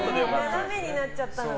斜めになっちゃったのが。